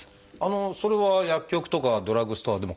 それは薬局とかドラッグストアでも買えるものですか？